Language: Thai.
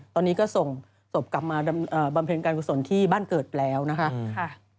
ตอนนี้ก็ส่งศพกลับมาบำเพ็ญการกุศลที่บ้านเกิดแล้วนะคะ